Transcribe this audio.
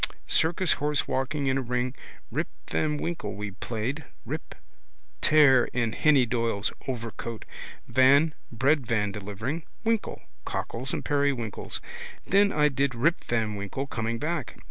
Circus horse walking in a ring. Rip van Winkle we played. Rip: tear in Henny Doyle's overcoat. Van: breadvan delivering. Winkle: cockles and periwinkles. Then I did Rip van Winkle coming back.